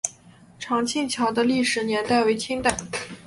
长庆桥的历史年代为清代。